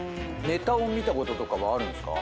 ネタを見たことはあるんですか？